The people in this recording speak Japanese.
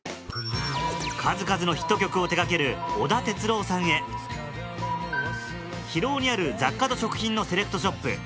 数々のヒット曲を手掛ける織田哲郎さんへ広尾にある雑貨と食品のセレクトショップ